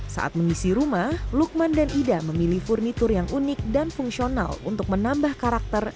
saat mengisi rumah lukman dan ida memilih furnitur yang unik dan fungsional untuk menambah karakter